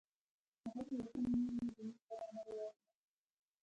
هغه د وطنه مور یې زموږ ترانه وویله